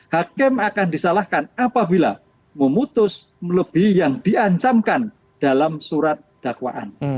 hakim akan disalahkan apabila memutus melebihi yang diancamkan dalam surat dakwaan